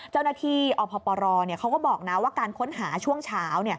เจ้าหน้าที่อพปรเขาก็บอกนะว่าการค้นหาช่วงเช้า